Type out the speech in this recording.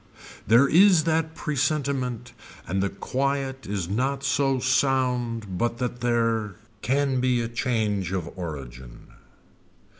There is that presentment and the quiet is not so sound but that there can be a change of origin.